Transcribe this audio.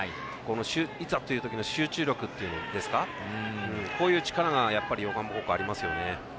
いざという時の集中力がこういう力がやっぱり横浜高校ありますよね。